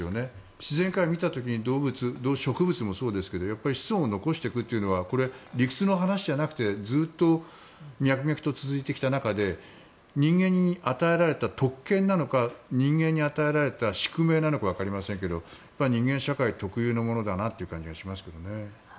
自然界から見た時に動物、動植物もそうですが子孫を残していくのは理屈の話じゃなくてずっと脈々と続いてきた中で人間に与えられた特権なのか人間に与えられた宿命なのか分かりませんけど人間社会特有のものだなという感じがしますけどね。